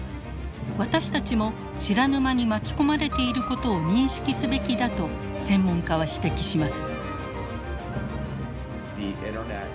私たちも知らぬ間に巻き込まれていることを認識すべきだと専門家は指摘します。